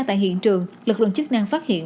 tại hiện trường lực lượng chức năng phát hiện